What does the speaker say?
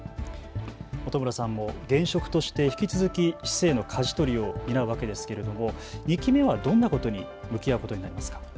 本村さん、現職として引き続き市政のかじ取りを担うわけですけれども２期目はどんなことに向き合うことになりますか。